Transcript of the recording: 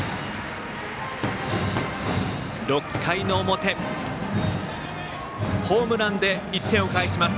６回の表ホームランで１点を返します。